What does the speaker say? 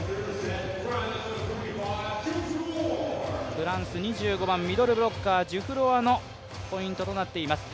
フランス２５番、ミドルブロッカー、ジュフロワのポイントとなっています。